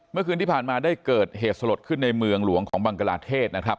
เมื่อคืนที่ผ่านมาได้เกิดเหตุสลดขึ้นในเมืองหลวงของบังกลาเทศนะครับ